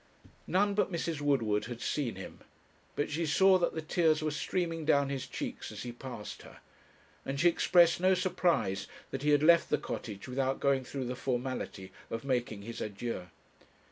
None but Mrs. Woodward had seen him; but she saw that the tears were streaming down his cheeks as he passed her, and she expressed no surprise that he had left the Cottage without going through the formality of making his adieux.